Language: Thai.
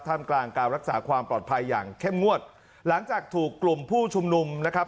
ทำกลางการรักษาความปลอดภัยอย่างเข้มงวดหลังจากถูกกลุ่มผู้ชุมนุมนะครับ